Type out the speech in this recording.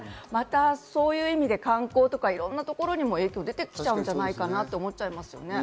そういう意味で観光とか、いろんなところにも影響が出てきちゃうんじゃないかなと思っちゃいますね。